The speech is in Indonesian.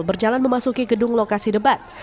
berjalan memasuki gedung lokasi debat